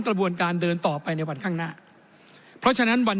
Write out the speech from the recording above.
กระบวนการเดินต่อไปในวันข้างหน้าเพราะฉะนั้นวัน